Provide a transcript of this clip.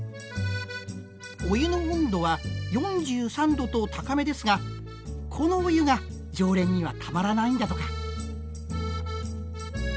お湯の温度は４３度と高めですがこのお湯が常連にはたまらないんだとか。